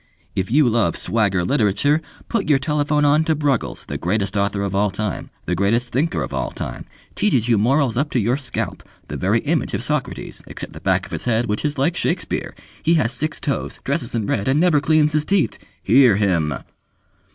"If you love Swagger Literature, put your telephone on to Bruggles, the Greatest Author of all Time. The Greatest Thinker of all Time. Teaches you Morals up to your Scalp! The very image of Socrates, except the back of his head, which is like Shakspeare. He has six toes, dresses in red, and never cleans his teeth. Hear HIM!"